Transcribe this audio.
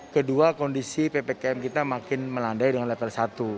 kedua kondisi ppkm kita makin melandai dengan level satu